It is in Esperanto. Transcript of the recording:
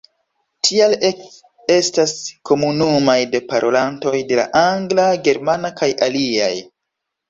Tial estas komunumoj de parolantoj de la angla, germana kaj aliaj.